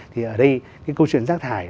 thì ở đây cái câu chuyện rác thải